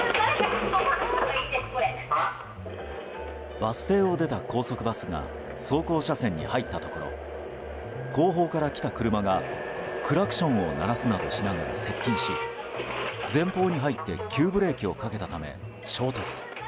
バス停を出た高速バスが走行車線に入ったところ後方から来た車がクラクションを鳴らすなどしながら接近し前方に入って急ブレーキをかけたため、衝突。